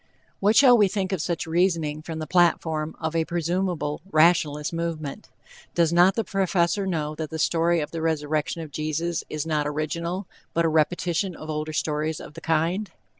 What shall we think of such reasoning from the platform of a presumable rationalist movement? Does not the Professor know that the story of the resurrection of Jesus is not original, but a repetition of older stories of the kind?